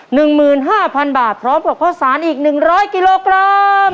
หนึ่งหมื่นห้าพันบาทพร้อมกับข้อสารอีก๑๐๐กิโลกรัม